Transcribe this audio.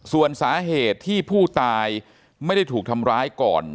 ส่วนสาเหตุที่ผู้ตายไม่ได้ถูกทำร้ายก่อน